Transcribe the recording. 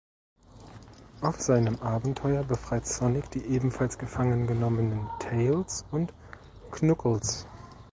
Auf seinem Abenteuer befreit Sonic die ebenfalls gefangen genommenen Tails und Knuckles.